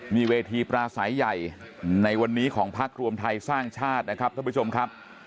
มีเวทีปราศัยใหญ่ในวันนี้ของพักรวมไทยสร้างชาตินะครับท่านผู้ชมครับ